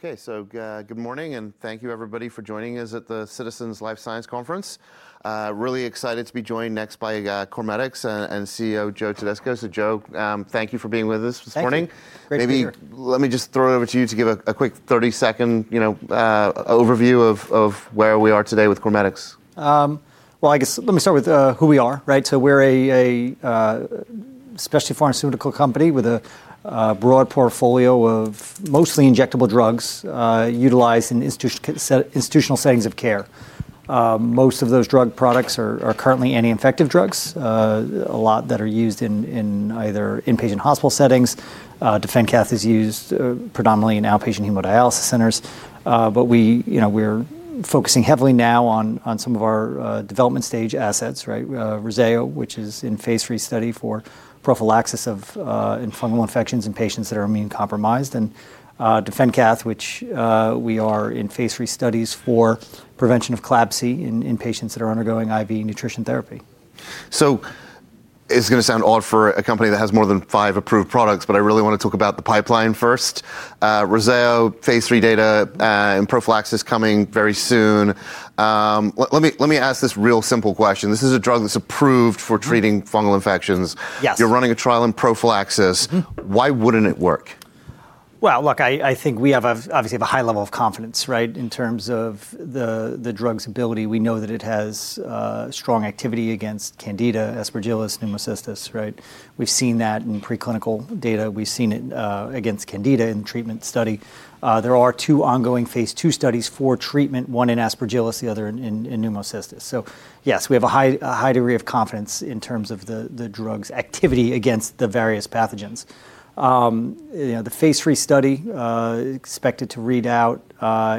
Good morning, and thank you everybody for joining us at the Citizens Life Sciences Conference. Really excited to be joined next by CorMedix and CEO Joe Todisco. Joe, thank you for being with us this morning. Thank you. Great to be here. Maybe let me just throw it over to you to give a quick 30-second, you know, overview of where we are today with CorMedix. Well I guess let me start with who we are, right? We're a specialty pharmaceutical company with a broad portfolio of mostly injectable drugs utilized in institutional settings of care. Most of those drug products are currently anti-infective drugs, a lot that are used in either inpatient hospital settings. DefenCath is used predominantly in outpatient hemodialysis centers. But we, you know, we're focusing heavily now on some of our development stage assets, right? REZZAYO, which is in phase III study for prophylaxis of fungal infections in patients that are immune compromised, and DefenCath, which we are in phase III studies for prevention of CLABSI in patients that are undergoing IV nutrition therapy. It's gonna sound odd for a company that has more than five approved products, but I really want to talk about the pipeline first. REZZAYO phase III data and prophylaxis coming very soon. Let me ask this real simple question. This is a drug that's approved for treating fungal infections. Yes. You're running a trial in prophylaxis. Mm-hmm. Why wouldn't it work? Well, look, I think we obviously have a high level of confidence, right, in terms of the drug's ability. We know that it has strong activity against Candida, Aspergillus, Pneumocystis, right? We've seen that in preclinical data. We've seen it against Candida in treatment study. There are two ongoing phase II studies for treatment, one in Aspergillus, the other in Pneumocystis. Yes, we have a high degree of confidence in terms of the drug's activity against the various pathogens. You know, the phase three study expected to read out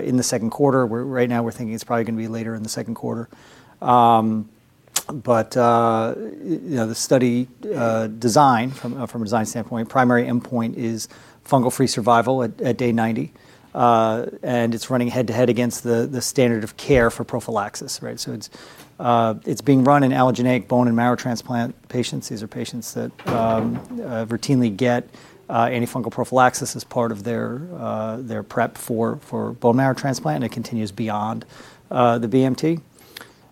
in the second quarter. Right now we're thinking it's probably gonna be later in the second quarter. You know, the study design from a design standpoint, primary endpoint is fungal free survival at day 90. It's running head-to-head against the standard of care for prophylaxis, right? It's being run in allogeneic bone marrow transplant patients. These are patients that routinely get antifungal prophylaxis as part of their prep for bone marrow transplant, and it continues beyond the BMT.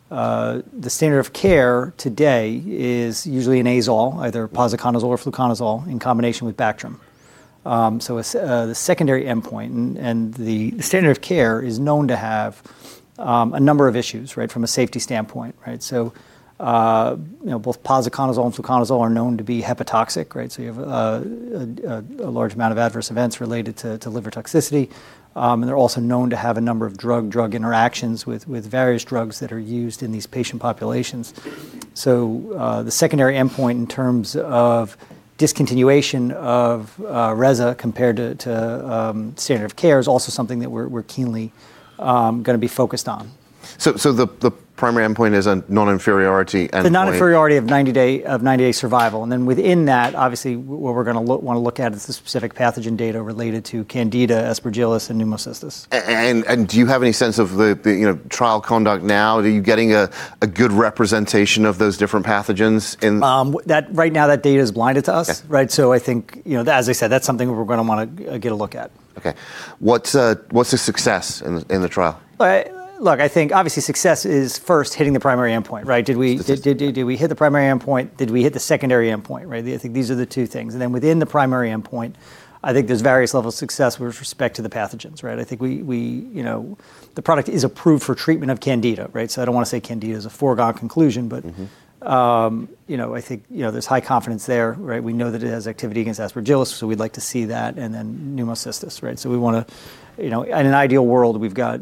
The standard of care today is usually an azole, either posaconazole or fluconazole in combination with Bactrim. The secondary endpoint and the standard of care is known to have a number of issues, right, from a safety standpoint, right? You know, both posaconazole and fluconazole are known to be hepatotoxic, right? You have a large amount of adverse events related to liver toxicity. They're also known to have a number of drug-drug interactions with various drugs that are used in these patient populations. The secondary endpoint in terms of discontinuation of REZZAYO compared to standard of care is also something that we're keenly gonna be focused on. The primary endpoint is a non-inferiority endpoint. The non-inferiority of 90-day survival, and then within that, obviously what we wanna look at is the specific pathogen data related to Candida, Aspergillus, and Pneumocystis. Do you have any sense of the, you know, trial conduct now? Are you getting a good representation of those different pathogens in- Right now that data is blinded to us. Okay. Right? I think, you know, as I said, that's something we're gonna wanna get a look at. Okay. What's the success in the trial? Well, look, I think obviously success is first hitting the primary endpoint, right? Specific Did we hit the primary endpoint? Did we hit the secondary endpoint, right? I think these are the two things. Within the primary endpoint, I think there's various levels of success with respect to the pathogens, right? I think you know, the product is approved for treatment of Candida, right? I don't wanna say Candida is a foregone conclusion, but. Mm-hmm You know, I think, you know, there's high confidence there, right? We know that it has activity against Aspergillus, so we'd like to see that, and then Pneumocystis, right? We wanna, you know, in an ideal world, we've got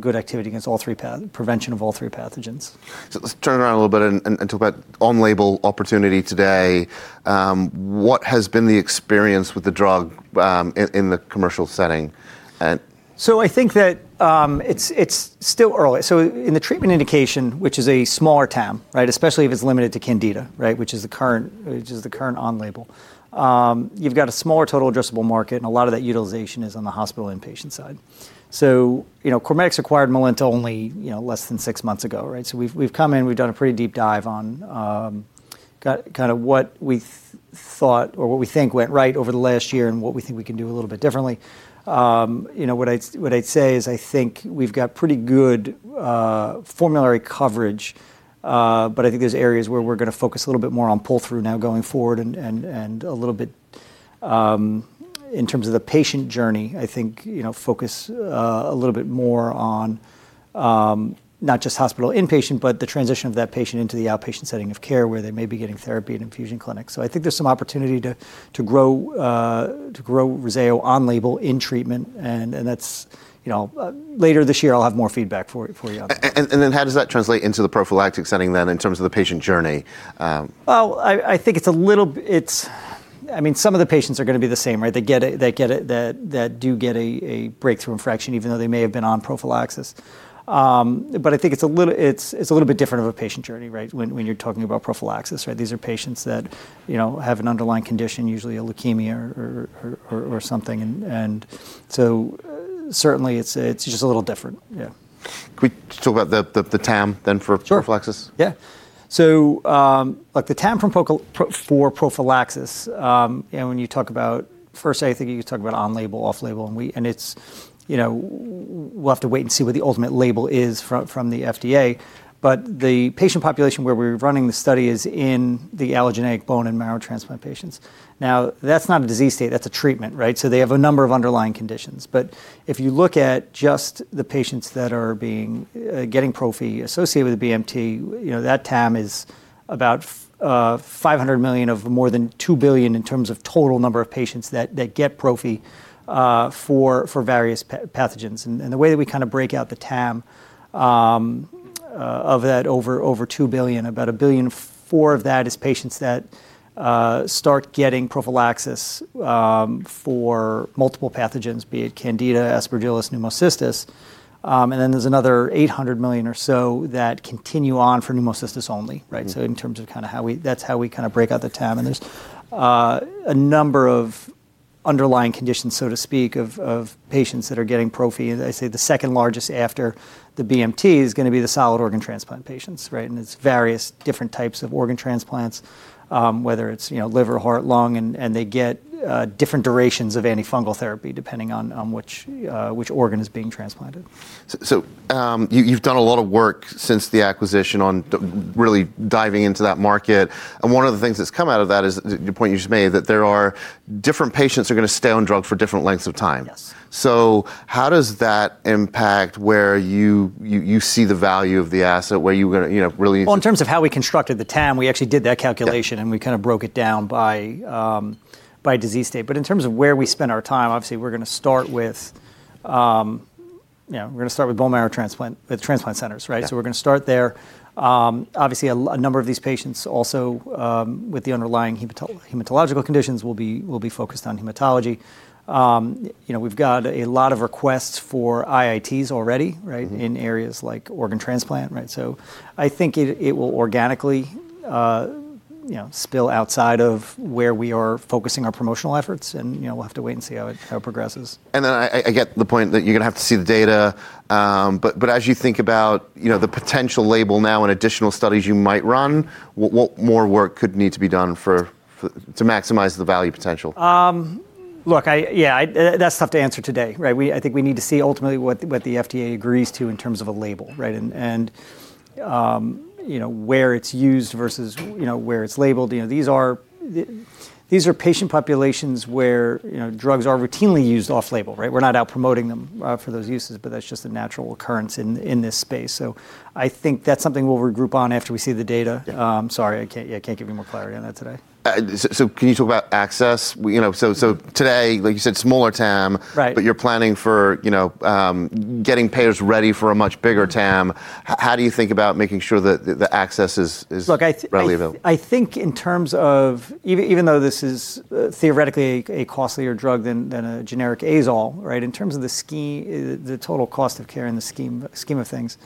good activity against all three, prevention of all three pathogens. Let's turn around a little bit and talk about on-label opportunity today. What has been the experience with the drug, in the commercial setting? I think that it's still early. In the treatment indication, which is a smaller TAM, right? Especially if it's limited to Candida, right? Which is the current on label. You've got a smaller total addressable market, and a lot of that utilization is on the hospital inpatient side. You know, CorMedix acquired Melinta only, you know, less than six months ago, right? We've come in, we've done a pretty deep dive on kind of what we thought or what we think went right over the last year and what we think we can do a little bit differently. You know, what I'd say is I think we've got pretty good formulary coverage, but I think there's areas where we're gonna focus a little bit more on pull through now going forward and a little bit in terms of the patient journey. I think, you know, focus a little bit more on not just hospital inpatient, but the transition of that patient into the outpatient setting of care where they may be getting therapy at an infusion clinic. I think there's some opportunity to grow REZZAYO on label in treatment and that's, you know, later this year I'll have more feedback for you on that. How does that translate into the prophylactic setting then in terms of the patient journey? I mean, some of the patients are gonna be the same, right? They get a breakthrough infection even though they may have been on prophylaxis. But I think it's a little bit different of a patient journey, right, when you're talking about prophylaxis, right? These are patients that, you know, have an underlying condition, usually a leukemia or something. Certainly it's just a little different. Yeah. Can we just talk about the TAM then for- Sure prophylaxis? Like the TAM for prophylaxis, and when you talk about, I think you talk about on label, off label, and it's, you know, we'll have to wait and see what the ultimate label is from the FDA. The patient population where we're running the study is in the allogeneic bone marrow transplant patients. Now, that's not a disease state, that's a treatment, right? They have a number of underlying conditions. If you look at just the patients that are getting prophy associated with BMT, you know, that TAM is about $500 million or more than $2 billion in terms of total number of patients that get prophy for various pathogens. The way that we kinda break out the TAM of that over $2 billion, about $1.4 billion of that is patients that start getting prophylaxis for multiple pathogens, be it Candida, Aspergillus, Pneumocystis. Then there's another $800 million or so that continue on for Pneumocystis only. Mm-hmm. Right? In terms of that's how we kinda break out the TAM. There's a number of underlying conditions, so to speak, of patients that are getting prophy. I say the second largest after the BMT is gonna be the solid organ transplant patients, right? It's various different types of organ transplants, whether it's, you know, liver, heart, lung, and they get different durations of antifungal therapy depending on which organ is being transplanted. You've done a lot of work since the acquisition on really diving into that market, and one of the things that's come out of that is, your point you just made, that there are different patients are gonna stay on drug for different lengths of time. Yes. How does that impact where you see the value of the asset, where you're gonna, you know, really? Well, in terms of how we constructed the TAM, we actually did that calculation. Yeah We kinda broke it down by disease state. In terms of where we spend our time, obviously, we're gonna start with, you know, bone marrow transplant with transplant centers, right? Yeah. We're gonna start there. Obviously, a number of these patients also, with the underlying hematological conditions will be focused on hematology. You know, we've got a lot of requests for IITs already, right. Mm-hmm in areas like organ transplant, right? I think it will organically, you know, spill outside of where we are focusing our promotional efforts, and, you know, we'll have to wait and see how it progresses. I get the point that you're gonna have to see the data. As you think about, you know, the potential label now and additional studies you might run, what more work could need to be done for to maximize the value potential? Look, yeah, that's tough to answer today, right? I think we need to see ultimately what the FDA agrees to in terms of a label, right? You know, where it's used versus, you know, where it's labeled. You know, these are patient populations where, you know, drugs are routinely used off label, right? We're not out promoting them for those uses, but that's just a natural occurrence in this space. I think that's something we'll regroup on after we see the data. Yeah. Sorry, I can't give you more clarity on that today. Can you talk about access? We, you know, so today, like you said, smaller TAM. Right. You're planning for, you know, getting payers ready for a much bigger TAM. How do you think about making sure that the access is Look, I th- Readily available? I think in terms of even though this is theoretically a costlier drug than a generic azole, right? In terms of the scheme, the total cost of care in the scheme of things,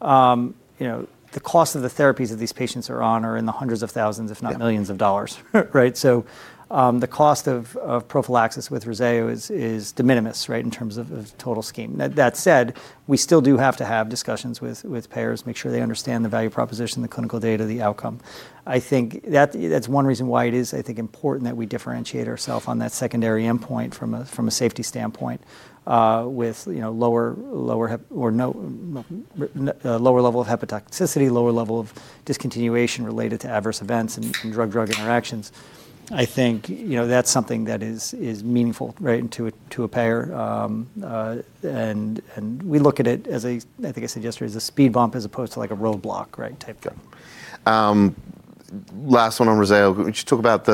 you know, the cost of the therapies that these patients are on are in the hundreds of thousands of dollars, if not millions of dollars. Yeah of dollars, right? The cost of prophylaxis with REZZAYO is de minimis, right, in terms of total scheme. That said, we still do have to have discussions with payers, make sure they understand the value proposition, the clinical data, the outcome. I think that's one reason why it is, I think, important that we differentiate ourselves on that secondary endpoint from a safety standpoint, with, you know, lower level of hepatotoxicity, lower level of discontinuation related to adverse events and drug-drug interactions. I think, you know, that's something that is meaningful, right, to a payer. We look at it as a, I think I said yesterday, speed bump as opposed to like a roadblock, right, type thing. Last one on REZZAYO. Would you talk about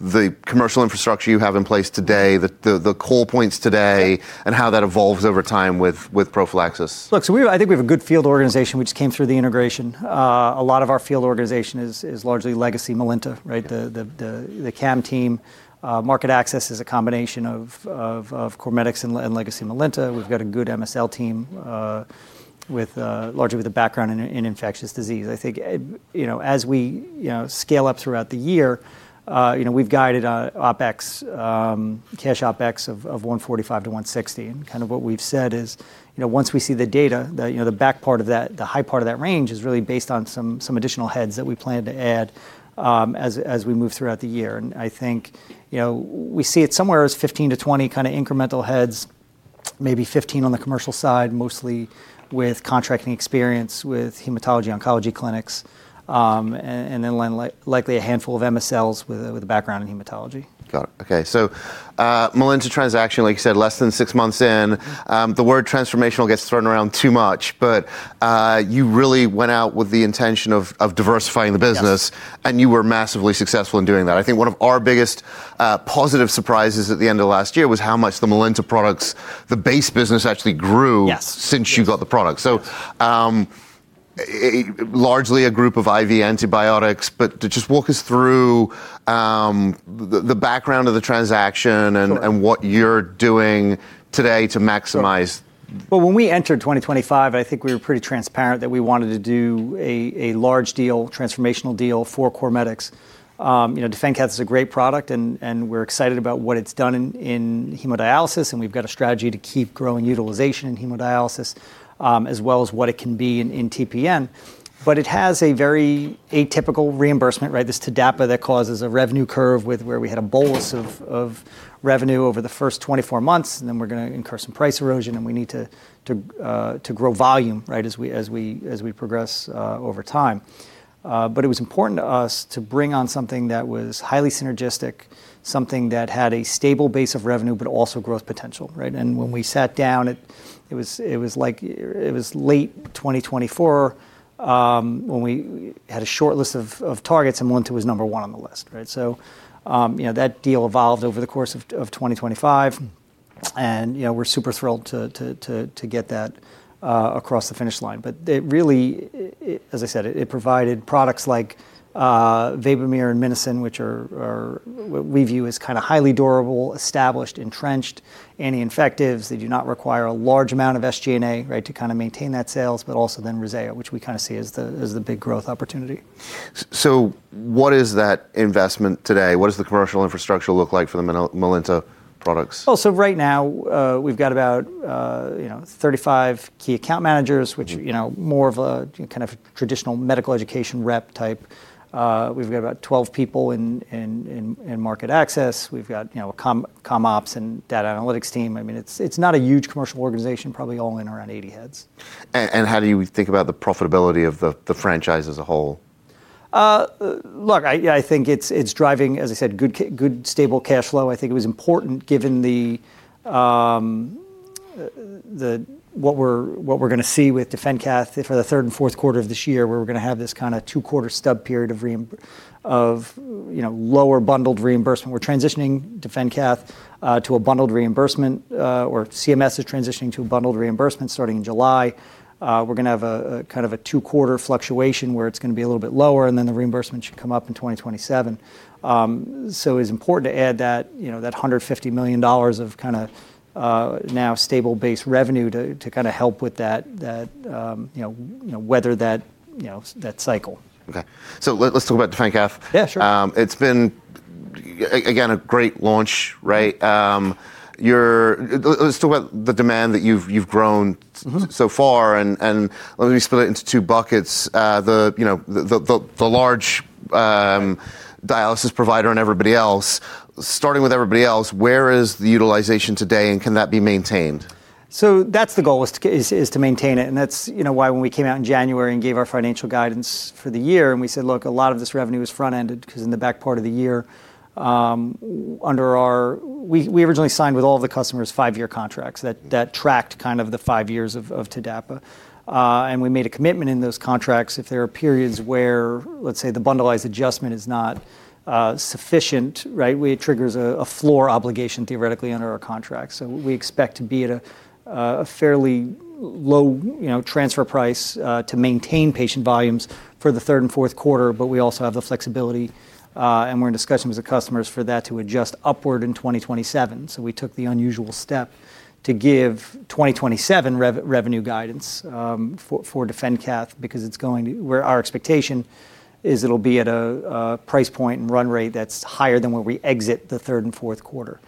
the commercial infrastructure you have in place today, the call points today, and how that evolves over time with prophylaxis? Look, I think we have a good field organization which came through the integration. A lot of our field organization is largely legacy Melinta, right? The KAM team, market access is a combination of CorMedix and legacy Melinta. We've got a good MSL team with largely a background in infectious disease. I think, you know, as we, you know, scale up throughout the year, you know, we've guided OpEx, cash OpEx of $145-$160. Kind of what we've said is, you know, once we see the data, you know, the back part of that, the high part of that range is really based on some additional heads that we plan to add, as we move throughout the year. I think, you know, we see it somewhere as 15-20 kinda incremental heads, maybe 15 on the commercial side, mostly with contracting experience with hematology, oncology clinics, and then likely a handful of MSLs with a background in hematology. Got it. Okay. Melinta transaction, like you said, less than six months in. The word transformational gets thrown around too much. You really went out with the intention of diversifying the business. Yes. You were massively successful in doing that. I think one of our biggest positive surprises at the end of last year was how much the Melinta products, the base business actually grew. Yes... since you got the product. Largely a group of IV antibiotics, but just walk us through, the background of the transaction and- Sure what you're doing today to maximize. Well, when we entered 2025, I think we were pretty transparent that we wanted to do a large deal, transformational deal for CorMedix. You know, DefenCath is a great product and we're excited about what it's done in hemodialysis, and we've got a strategy to keep growing utilization in hemodialysis, as well as what it can be in TPN. It has a very atypical reimbursement, right? This TDAPA that causes a revenue curve with where we had a bolus of revenue over the first 24 months, and then we're gonna incur some price erosion, and we need to grow volume, right, as we progress over time. It was important to us to bring on something that was highly synergistic, something that had a stable base of revenue but also growth potential, right? When we sat down, it was late 2024, when we had a short list of targets, and Melinta was number one on the list, right? You know, that deal evolved over the course of 2025 and, you know, we're super thrilled to get that across the finish line. As I said, it provided products like Vabomere and Minocin, which we view as kinda highly durable, established, entrenched anti-infectives. They do not require a large amount of SG&A, right, to kinda maintain that sales, but also then Rocephin, which we kinda see as the big growth opportunity. What is that investment today? What does the commercial infrastructure look like for the Melinta products? Well, right now, we've got about 35 key account managers, which, you know, more of a kind of traditional medical education rep type. We've got about 12 people in market access. We've got, you know, comms and data analytics team. I mean, it's not a huge commercial organization, probably only around 80 heads. How do you think about the profitability of the franchise as a whole? Look, I think it's driving, as I said, good stable cash flow. I think it was important given what we're gonna see with DefenCath for the third and fourth quarter of this year, where we're gonna have this kinda two-quarter stub period of, you know, lower bundled reimbursement. We're transitioning DefenCath to a bundled reimbursement, or CMS is transitioning to a bundled reimbursement starting in July. We're gonna have a kind of a two-quarter fluctuation where it's gonna be a little bit lower, and then the reimbursement should come up in 2027. It's important to add that, you know, that $150 million of kinda now stable base revenue to kinda help with that, you know, weather that, you know, that cycle. Okay. Let's talk about DefenCath. Yeah, sure. It's been a great launch, right? Let's talk about the demand that you've grown. Mm-hmm So far, let me split it into two buckets. You know, the large dialysis provider and everybody else. Starting with everybody else, where is the utilization today, and can that be maintained? That's the goal is to maintain it, and that's, you know, why when we came out in January and gave our financial guidance for the year, and we said, "Look, a lot of this revenue is front-ended," 'cause in the back part of the year, we originally signed with all the customers five-year contracts that tracked kind of the five years of TDAPA. And we made a commitment in those contracts if there are periods where, let's say, the bundle adjustment is not sufficient, right, where it triggers a floor obligation theoretically under our contract. We expect to be at a fairly low, you know, transfer price to maintain patient volumes for the third and fourth quarter, but we also have the flexibility, and we're in discussions with the customers for that to adjust upward in 2027. We took the unusual step to give 2027 revenue guidance for DefenCath because it's going where our expectation is it'll be at a price point and run rate that's higher than where we exit the third and fourth quarter.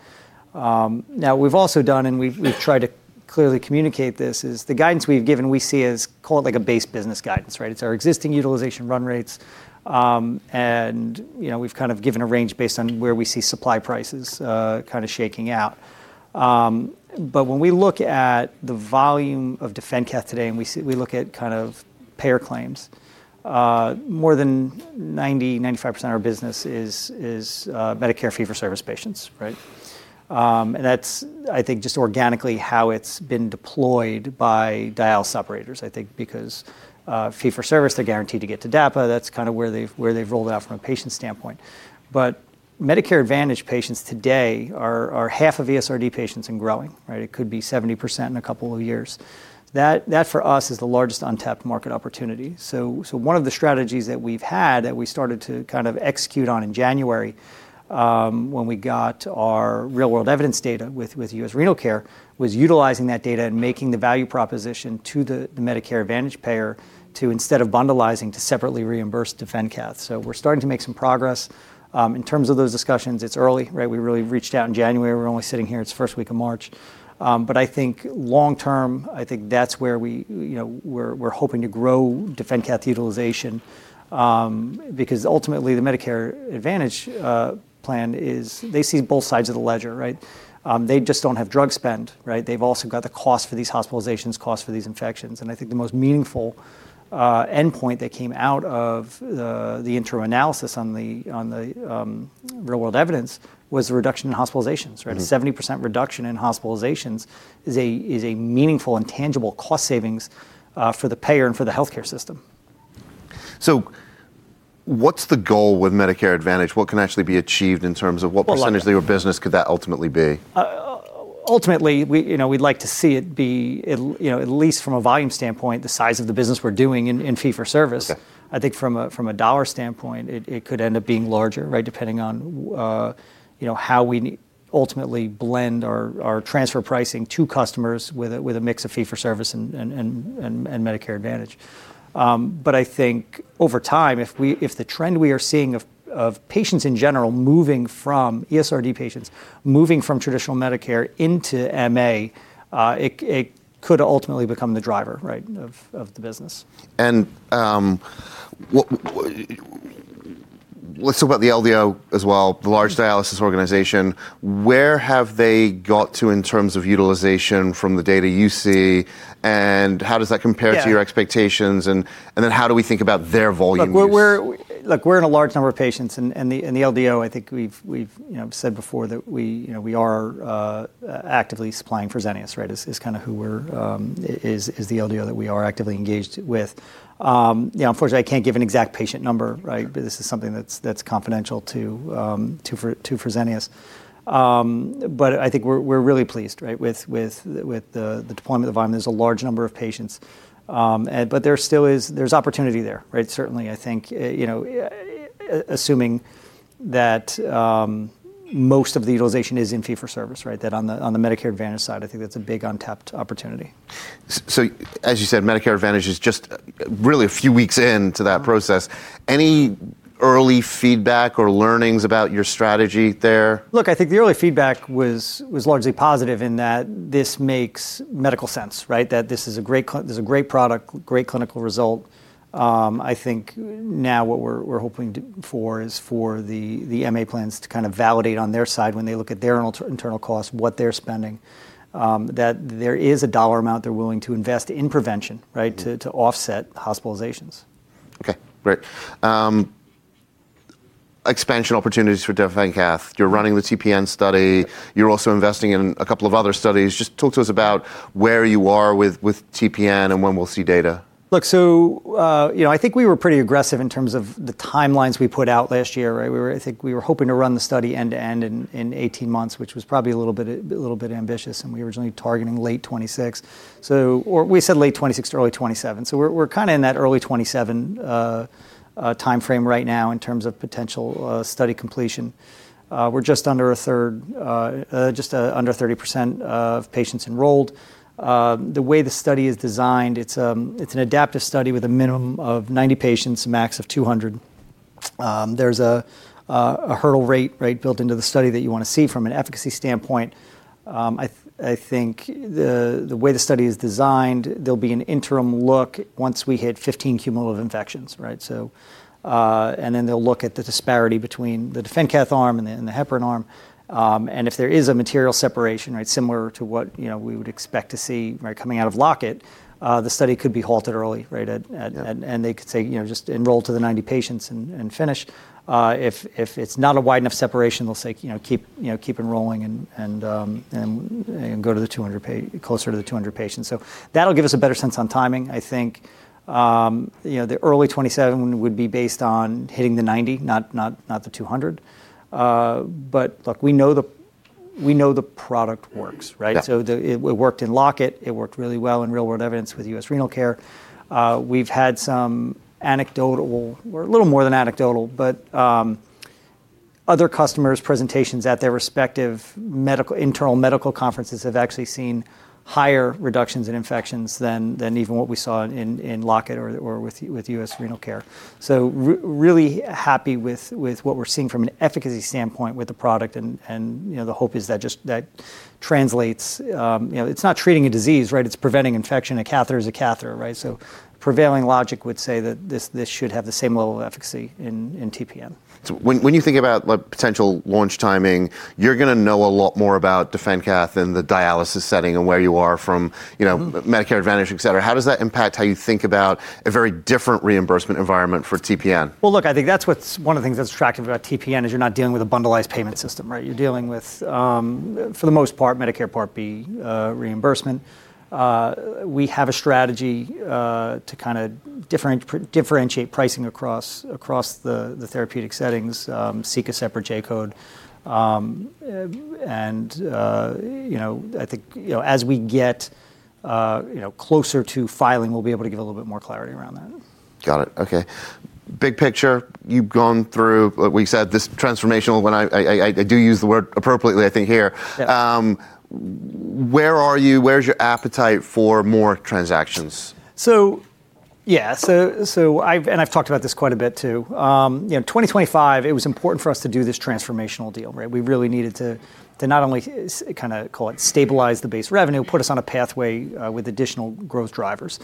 Now we've also tried to clearly communicate this, is the guidance we've given, we see as call it like a base business guidance, right? It's our existing utilization run rates, and, you know, we've kind of given a range based on where we see supply prices, kinda shaking out. when we look at the volume of DefenCath today and we look at kind of payer claims, more than 95% of our business is Medicare fee-for-service patients, right? That's, I think, just organically how it's been deployed by dialysis operators, I think, because fee for service, they're guaranteed to get to TDAPA. That's kind of where they've rolled out from a patient standpoint. Medicare Advantage patients today are half of ESRD patients and growing, right? It could be 70% in a couple of years. That for us is the largest untapped market opportunity. One of the strategies that we've had that we started to kind of execute on in January, when we got our real-world evidence data with U.S. Renal Care, was utilizing that data and making the value proposition to the Medicare Advantage payer to instead of bundling, to separately reimburse DefenCath. We're starting to make some progress. In terms of those discussions, it's early, right? We really reached out in January. We're only sitting here, it's the first week of March. But I think long term, I think that's where we, you know, we're hoping to grow DefenCath utilization, because ultimately the Medicare Advantage plan is they see both sides of the ledger, right? They just don't have drug spend, right? They've also got the cost for these hospitalizations, cost for these infections, and I think the most meaningful endpoint that came out of the interim analysis on the real-world evidence was the reduction in hospitalizations, right? Mm-hmm. A 70% reduction in hospitalizations is a meaningful and tangible cost savings for the payer and for the healthcare system. What's the goal with Medicare Advantage? What can actually be achieved in terms of what Well. Percentage of your business could that ultimately be? Ultimately, we, you know, we'd like to see it be, you know, at least from a volume standpoint, the size of the business we're doing in fee-for-service. Okay. I think from a dollar standpoint, it could end up being larger, right, depending on, you know, how we ultimately blend or transfer pricing to customers with a mix of fee-for-service and Medicare Advantage. I think over time if the trend we are seeing of ESRD patients moving from traditional Medicare into MA, it could ultimately become the driver, right, of the business. Let's talk about the LDO as well, the large dialysis organization. Where have they got to in terms of utilization from the data you see, and how does that compare? Yeah to your expectations, and then how do we think about their volume use? Look, we're in a large number of patients and the LDO. I think we've you know said before that we you know we are actively supplying Fresenius right is kinda who we're is the LDO that we are actively engaged with. Yeah, unfortunately I can't give an exact patient number, right? This is something that's confidential to Fresenius. I think we're really pleased, right, with the deployment of the volume. There's a large number of patients. There still is opportunity there, right? Certainly I think you know assuming that most of the utilization is in fee-for-service, right, that on the Medicare Advantage side I think that's a big untapped opportunity. As you said, Medicare Advantage is just really a few weeks in to that process. Mm. Any early feedback or learnings about your strategy there? Look, I think the early feedback was largely positive in that this makes medical sense, right? That this is a great product, great clinical result. I think now what we're hoping for is for the MA plans to kind of validate on their side when they look at their internal costs, what they're spending, that there is a dollar amount they're willing to invest in prevention, right? Mm to offset hospitalizations. Okay. Great. Expansion opportunities for DefenCath. You're running the TPN study. You're also investing in a couple of other studies. Just talk to us about where you are with TPN and when we'll see data. Look, you know, I think we were pretty aggressive in terms of the timelines we put out last year, right? I think we were hoping to run the study end to end in 18 months, which was probably a little bit ambitious, and we were originally targeting late 2026. Or we said late 2026 to early 2027, so we're kinda in that early 2027 timeframe right now in terms of potential study completion. We're just under a third, just under 30% of patients enrolled. The way the study is designed, it's an adaptive study with a minimum of 90 patients, a max of 200. There's a hurdle rate, right, built into the study that you wanna see from an efficacy standpoint. I think the way the study is designed, there'll be an interim look once we hit 15 cumulative infections, right? Then they'll look at the disparity between the DefenCath arm and the Heparin arm. If there is a material separation, right, similar to what, you know, we would expect to see, right, coming out of LOCK-IT, the study could be halted early, right? Yeah They could say, "You know, just enroll to the 90 patients and finish." If it's not a wide enough separation they'll say, you know, "Keep, you know, keep enrolling and go to the 200 closer to the 200 patients." That'll give us a better sense on timing. I think you know the early 2027 would be based on hitting the 90, not the 200. Look, we know the product works, right? Yeah. It worked in LOCK-IT. It worked really well in real world evidence with U.S. Renal Care. We've had some anecdotal, or a little more than anecdotal, other customers' presentations at their respective medical internal medical conferences have actually seen higher reductions in infections than even what we saw in LOCK-IT or with U.S. Renal Care. Really happy with what we're seeing from an efficacy standpoint with the product and, you know, the hope is that just that translates. You know, it's not treating a disease, right? It's preventing infection. A catheter is a catheter, right? Prevailing logic would say that this should have the same level of efficacy in TPN. When you think about the potential launch timing, you're gonna know a lot more about DefenCath in the dialysis setting and where you are from, you know, Medicare Advantage, et cetera. How does that impact how you think about a very different reimbursement environment for TPN? Well, look, I think that's one of the things that's attractive about TPN is you're not dealing with a bundled payment system, right? You're dealing with, for the most part, Medicare Part B reimbursement. We have a strategy to kinda differentiate pricing across the therapeutic settings, seek a separate J-code. You know, I think, you know, as we get closer to filing we'll be able to give a little bit more clarity around that. Got it. Okay. Big picture, you've gone through. We've said this transformational, when I do use the word appropriately, I think here. Yeah. Where are you, where's your appetite for more transactions? Yeah. I've talked about this quite a bit too. You know, 2025 it was important for us to do this transformational deal, right? We really needed to not only kinda call it stabilize the base revenue, put us on a pathway with additional growth drivers.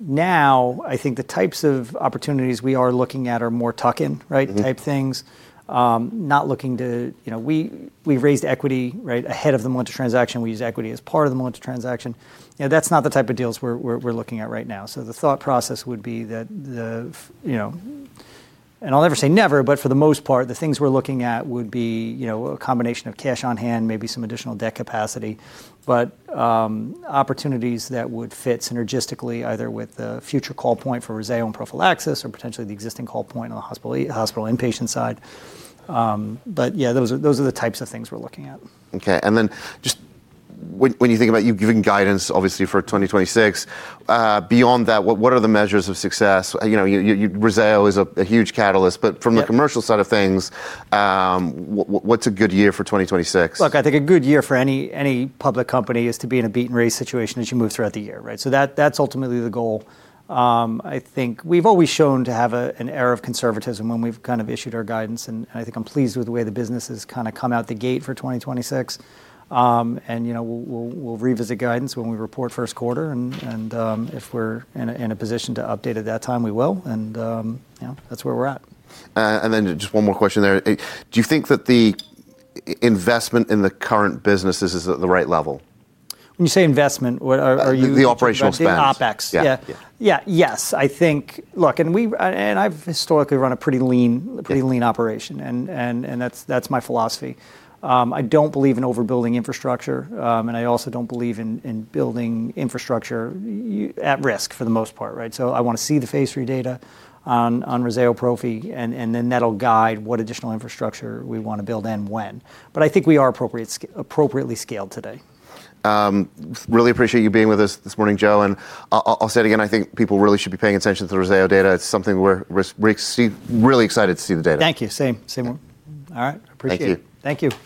Now I think the types of opportunities we are looking at are more tuck in, right? Mm Type things. Not looking to. You know, we've raised equity, right, ahead of the Melinta transaction. We used equity as part of the Melinta transaction. You know, that's not the type of deals we're looking at right now. The thought process would be that the. You know, and I'll never say never, but for the most part the things we're looking at would be, you know, a combination of cash on hand, maybe some additional debt capacity, but, opportunities that would fit synergistically either with the future call point for REZZAYO and prophylaxis or potentially the existing call point on the hospital inpatient side. Yeah, those are the types of things we're looking at. Okay. Just when you think about you giving guidance obviously for 2026, beyond that, what are the measures of success? You know, REZZAYO is a huge catalyst. From- Yeah The commercial side of things, what's a good year for 2026? Look, I think a good year for any public company is to be in a beat and raise situation as you move throughout the year, right? That's ultimately the goal. I think we've always shown to have an air of conservatism when we've kind of issued our guidance, and I think I'm pleased with the way the business has kinda come out the gate for 2026. You know, we'll revisit guidance when we report first quarter, and if we're in a position to update at that time we will. You know, that's where we're at. Just one more question there. Do you think that the investment in the current businesses is at the right level? When you say investment, what are you- The operational spend the OpEx? Yeah. Yes. I think. Look, and we've historically run a pretty lean. Yeah a pretty lean operation, and that's my philosophy. I don't believe in overbuilding infrastructure, and I also don't believe in building infrastructure at risk for the most part, right? I wanna see the phase III data on REZZAYO Prophy, and then that'll guide what additional infrastructure we wanna build and when. I think we are appropriately scaled today. Really appreciate you being with us this morning, Joe. I'll say it again, I think people really should be paying attention to the REZZAYO data. It's something we're really excited to see the data. Thank you. Same. Same here. All right. Appreciate it. Thank you.